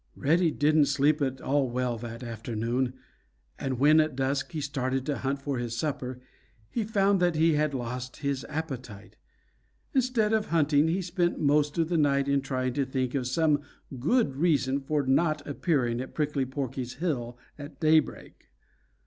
Reddy didn't sleep at all well that afternoon, and when at dusk he started to hunt for his supper, he found that he had lost his appetite. Instead of hunting, he spent most of the night in trying to think of some good reason for not appearing at Prickly Porky's hill at daybreak.